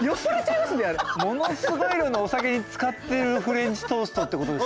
ものすごい量のお酒に漬かってるフレンチトーストってことですよね。